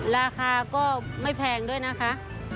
ราคาก็ไม่แพงด้วยนะคะ